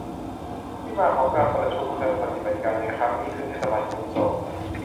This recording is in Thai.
ที่มาของการประชุมเชิงปฏิบัติการในครั้งนี้คือ เทศบาลกรุงโซล